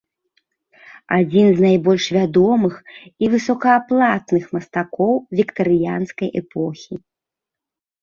Адзін з найбольш вядомых і высокааплатных мастакоў віктарыянскай эпохі.